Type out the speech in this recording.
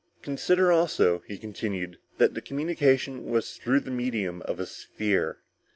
"Consider also," he continued, "that the communication was through the medium of a sphere.